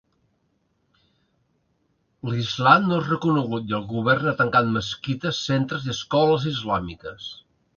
L'islam no és reconegut, i el govern ha tancat mesquites, centres i escoles islàmiques.